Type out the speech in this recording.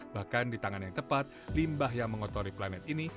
bahkan di tangan yang tepat limbah yang mengotori planet ini